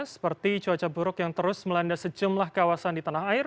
seperti cuaca buruk yang terus melanda sejumlah kawasan di tanah air